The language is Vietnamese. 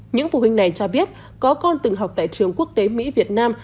những phụ huynh này cho biết có con từng học tại trường quốc tế mỹ việt nam